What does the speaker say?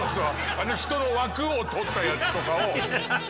あの人の枠を取ったやつとかを。